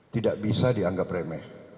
tidak bisa dianggap remeh